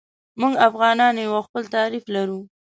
موږ افغانان یو او خپل تعریف لرو.